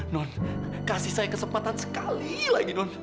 non kasih saya kesempatan sekali lagi non